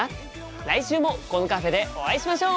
来週もこのカフェでお会いしましょう！